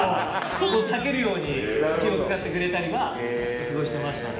避けるように気を遣ってくれたりはすごいしてましたね。